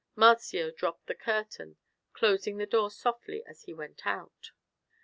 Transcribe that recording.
Marzio dropped the curtain, closing the door softly as he went out.